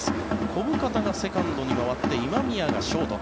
小深田がセカンドに回って今宮がショート。